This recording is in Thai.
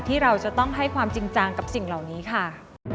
ที่เราจะต้องให้ความจริงจังกับสิ่งเหล่านี้ค่ะ